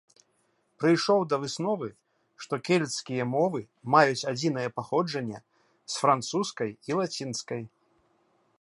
Прыйшоў да высновы, што кельцкія мовы маюць адзінае паходжанне з французскай і лацінскай.